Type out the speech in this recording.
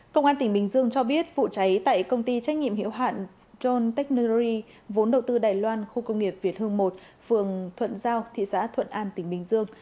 công an tỉnh bình dương cho biết vụ cháy tại công ty trách nhiệm hiệu hạn john technuri vốn đầu tư đài loan khu công nghiệp việt hưng một phường thuận giao thị xã thuận an tỉnh bình dương